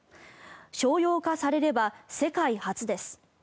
商用化されれば世界初です。